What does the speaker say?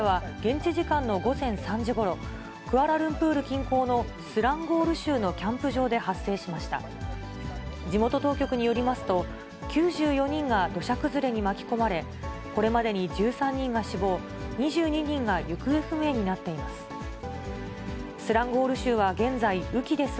地元当局によりますと、９４人が土砂崩れに巻き込まれ、これまでに１３人が死亡、２２人が行方不明になっています。